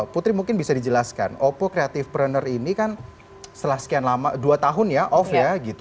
putri mungkin bisa dijelaskan oppo creative pruner ini kan setelah sekian lama dua tahun ya off ya gitu